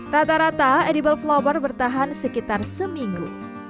rata rata edible flower bertahan sekitar seminggu